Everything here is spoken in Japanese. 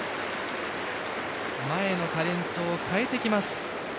前のタレントを代えてきます。